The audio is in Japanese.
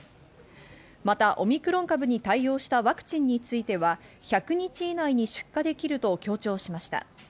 またオミクロン株に対応したワクチンについては、１００日以内に出荷できると強調しました。